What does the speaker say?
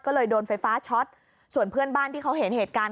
ก็เลยโดนไฟฟ้าช็อตส่วนเพื่อนบ้านที่เขาเห็นเหตุการณ์